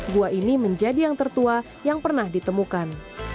gua ini menjadi yang tertua yang pernah ditemukan